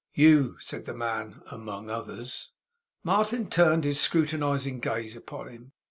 'You,' said the man, 'among others.' Martin turned his scrutinizing gaze upon him.